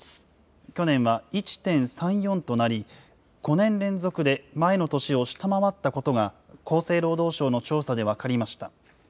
去年は１．３４となり、５年連続で前の年を下回ったことが、厚生労働省の調査で分かりました。